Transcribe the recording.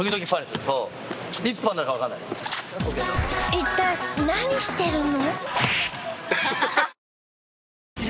一体何してるの？